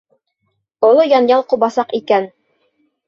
Оло янъял ҡубасаҡ икән!